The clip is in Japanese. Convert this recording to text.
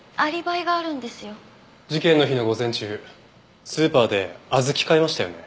事件の日の午前中スーパーで小豆買いましたよね？